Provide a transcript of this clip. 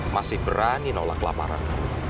masih berani nolak laparan